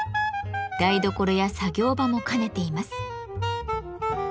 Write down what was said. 台所や作業場も兼ねています。